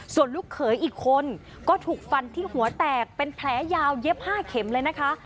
ส่วนลูกเขยอีกคนก็ถูกฟันที่หัวแตกเป็นแผลยาวเย็บ๕เข็มเลยนะคะ